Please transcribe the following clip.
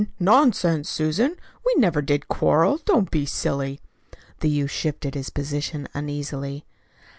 Nonsense, Susan, we never did quarrel. Don't be silly." The youth shifted his position uneasily.